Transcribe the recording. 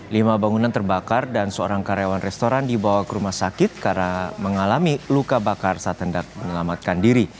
lima bangunan terbakar dan seorang karyawan restoran dibawa ke rumah sakit karena mengalami luka bakar saat hendak menyelamatkan diri